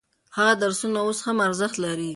هغه درسونه اوس هم ارزښت لري.